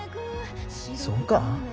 そうか？